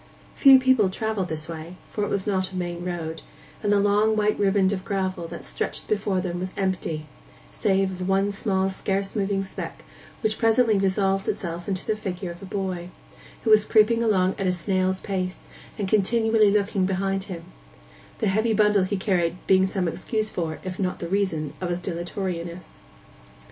Few people travelled this way, for it was not a main road; and the long white riband of gravel that stretched before them was empty, save of one small scarce moving speck, which presently resolved itself into the figure of boy, who was creeping on at a snail's pace, and continually looking behind him—the heavy bundle he carried being some excuse for, if not the reason of, his dilatoriness.